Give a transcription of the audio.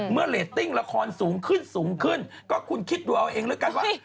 เรตติ้งละครสูงขึ้นสูงขึ้นก็คุณคิดดูเอาเองแล้วกันว่า